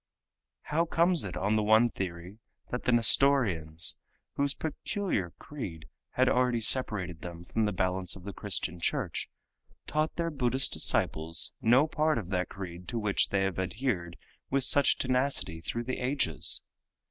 How comes it on the one theory that the Nestorians, whose peculiar creed had already separated them from the balance of the Christian church, taught their Buddhist disciples no part of that creed to which they have adhered with such tenacity through the ages?